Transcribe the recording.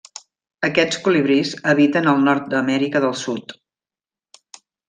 Aquests colibrís habiten al nord d'Amèrica del Sud.